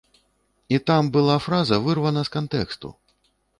І там была фраза вырвана з кантэксту!